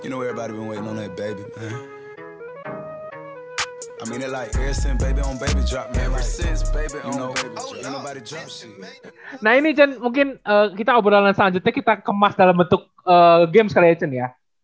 nah ini mungkin kita obrolan selanjutnya kita kemas dalam bentuk game sekali ya